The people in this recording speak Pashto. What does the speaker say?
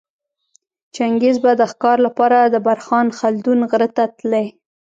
چنګیز به د ښکاره لپاره د برخان خلدون غره ته تلی